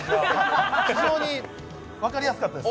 非常に分かりやすかったですね。